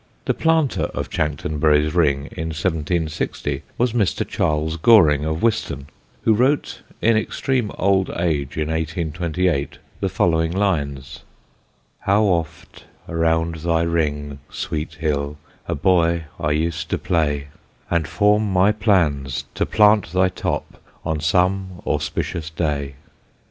The planter of Chanctonbury's Ring, in 1760, was Mr. Charles Goring of Wiston, who wrote in extreme old age in 1828 the following lines: How oft around thy Ring, sweet Hill, A Boy, I used to play, And form my plans to plant thy top On some auspicious day.